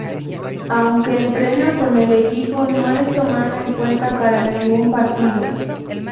Aunque entrena con el equipo no es tomado en cuenta para ningún partido.